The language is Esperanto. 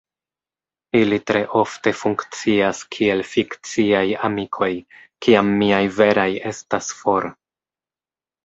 Ili tre ofte funkcias kiel fikciaj amikoj, kiam miaj veraj estas for.